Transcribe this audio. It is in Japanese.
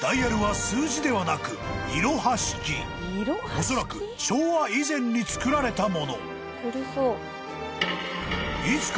［おそらく昭和以前につくられた物］